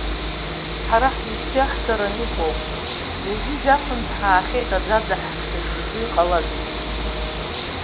Ҳара ҳзышьҭоу иаҳгараны иҟоу ауп, ҩажәи жәафынтә ҳаахьеит аӡаӡа ҳхьыжжы, иҟалазеи?